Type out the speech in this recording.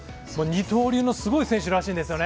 二刀流のすごい選手らしいんです。